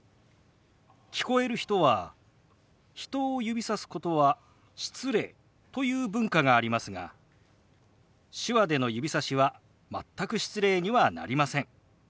聞こえる人は「人を指さすことは失礼」という文化がありますが手話での指さしは全く失礼にはなりません。